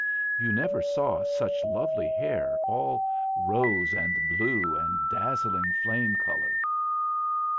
You never saw such lovely hair all rose and blue and dazzling flame colour.